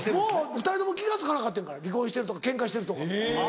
２人とも気が付かなかってんから離婚してるケンカしてるとか。